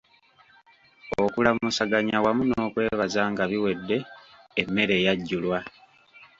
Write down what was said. Okulamusaganya wamu n'okwebaza nga biwedde, emmere yajjulwa.